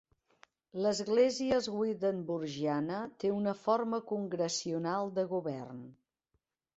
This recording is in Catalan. L'església swedenborgniana té una forma congregacional de govern.